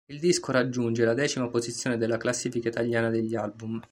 Il disco raggiunge la decima posizione della classifica italiana degli album.